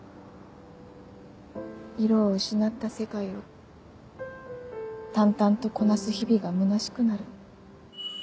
色を失った世界を淡々とこなす日々がむなしくなる。